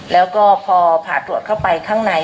แล้วก็พอผ่าตรวจเข้าไปข้างใน